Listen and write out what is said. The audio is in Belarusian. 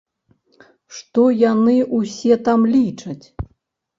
Што яны ўсе там лічаць?